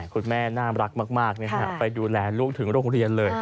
คุณแม่น่ารักมากไปดูแลลูกถึงโรงเรียนเลย